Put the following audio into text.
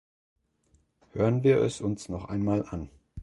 Hören wir es uns noch einmal an!